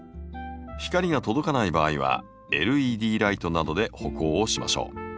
光が届かない場合はＬＥＤライトなどで補光をしましょう。